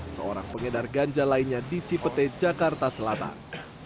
seorang pengedar ganja lainnya di cipete jakarta selatan